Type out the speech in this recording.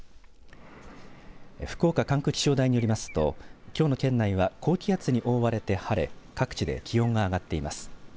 福岡管区気象台によりますときょうの県内は高気圧に覆われて晴れ各地で気温が上がっています。